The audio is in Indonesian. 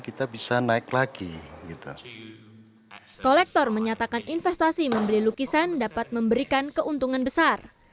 kolektor menyatakan investasi membeli lukisan dapat memberikan keuntungan besar